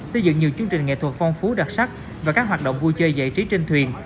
xây dựng nhiều chương trình nghệ thuật phong phú đặc sắc và các hoạt động vui chơi giải trí trên thuyền